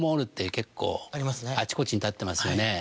結構あちこちに立ってますよね。